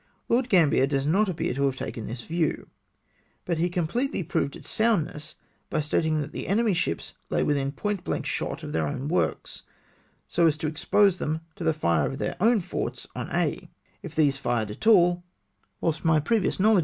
Lord Gambier does not appear to have taken this view, but he com pletely proved its soundness by stating that the enemy's ships lay witliin point blank shot of their OAvn works, so as to expose them to the fire of their own forts on Aix, if these fired at all, whilst my previous knowledge LORD GAMBIEE'S STATEMENT.